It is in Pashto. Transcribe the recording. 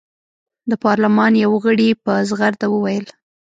د پارلمان یوه غړي په زغرده وویل.